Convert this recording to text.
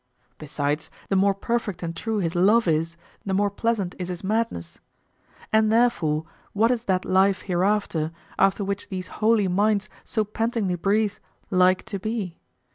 Besides, the more perfect and true his love is, the more pleasant is his madness. And therefore, what is that life hereafter, after which these holy minds so pantingly breathe, like to be?